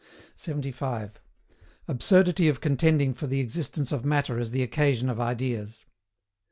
75. ABSURDITY OF CONTENDING FOR THE EXISTENCE OF MATTER AS THE OCCASION OF IDEAS.